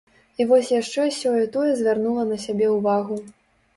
І вось яшчэ сёе-тое звярнула на сябе ўвагу.